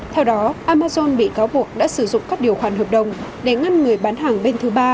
theo đó amazon bị cáo buộc đã sử dụng các điều khoản hợp đồng để ngăn người bán hàng bên thứ ba